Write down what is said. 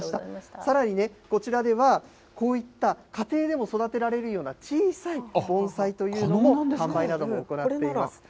さらにね、こちらでは、こういった家庭でも育てられるような小さい盆栽というのの販売なども行っています。